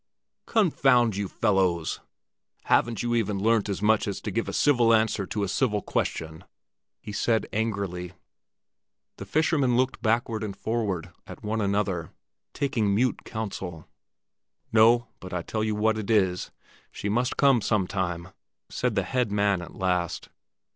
"Confound you fellows! Haven't you even learnt as much as to give a civil answer to a civil question?" he said angrily. The fishermen looked backward and forward at one another, taking mute counsel. "No, but I tell you what it is! She must come some time," said the head man at last.